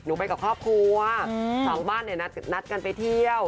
ไปกับครอบครัวสองบ้านเนี่ยนัดกันไปเที่ยว